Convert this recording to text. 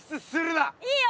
いいよ